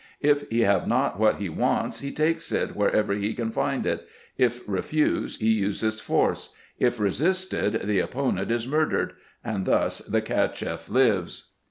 If he have not what he wants, he takes it wherever he can find it : if refused, he uses force ; if resisted, the opponent is murdered : and thus the Cacheff lives.